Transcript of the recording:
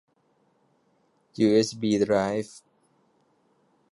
ยูเอสบีไดรฟ์